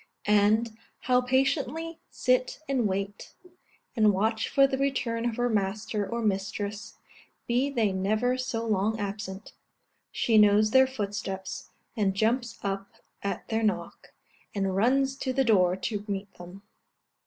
And, how patiently sit and wait, and watch for the return of her master or mistress, be they never so long absent! She knows their footsteps, and jumps up at their knock, and runs to the door to meet them.